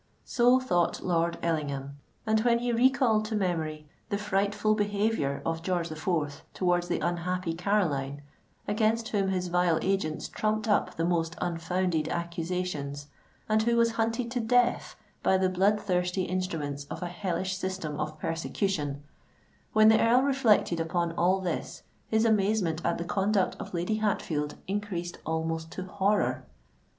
So thought Lord Ellingham;—and when he recalled to memory the frightful behaviour of George the Fourth towards the unhappy Caroline, against whom his vile agents trumped up the most unfounded accusations, and who was hunted to death by the blood thirsty instruments of a hellish system of persecution,—when the Earl reflected upon all this, his amazement at the conduct of Lady Hatfield increased almost to horror.